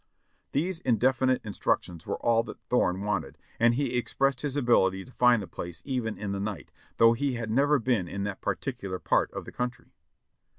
These indefinite instructions were all that Thorne wanted, and he expressed his ability to find the place even in the night, though he had never been in that particular part of the country.